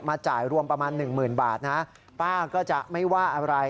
มาจ่ายรวมประมาณ๑๐๐๐๐บาทนะป้าก็จะไม่ว่าอะไร